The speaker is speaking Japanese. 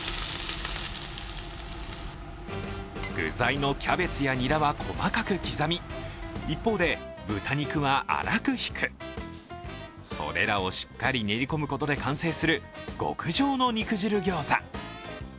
具材のキャベツやにらは細かく刻み、一方で豚肉は粗くひくそれらをしっかり練り込むことで完成する極上の肉汁ギョーザ。